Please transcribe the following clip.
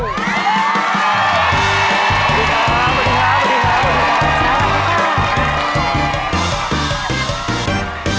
สวัสดีค่ะ